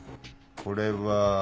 これは。